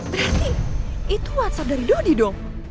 briefing itu whatsapp dari dodi dong